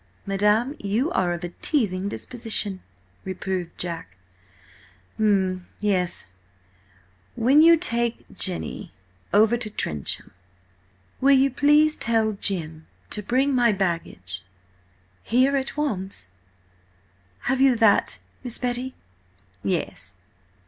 '" "Madam, you are of a teasing disposition," reproved my lord. "M–yes–'When you take Jenny—over to Trencham ... will you please tell Jim to bring my baggage ... here at once?' Have you that, Miss Betty?" "Yes."